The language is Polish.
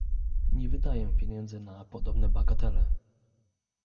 "Nie wydaję pieniędzy na podobne bagatele."